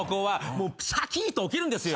もうシャキッと起きるんですよ。